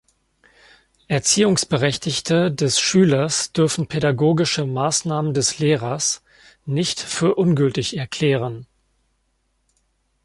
Erziehungsberechtigte des Schülers dürfen pädagogische Maßnahmen des Lehrers nicht für ungültig erklären.